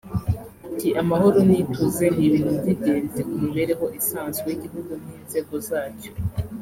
Ati ‘‘Amahoro n’ituze ni ibintu by’ingenzi ku mibereho isanzwe y’igihugu n’inzego zacyo